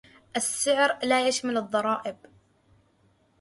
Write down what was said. السعر لا يشمل الضرائب.